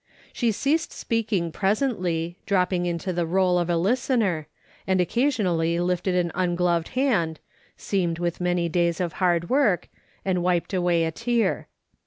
Slie ceased speaking presently, dropping into the role of a listener, and occasionally lifted an ungloved hand, seamed with many days of hard work, and wiped away a tear.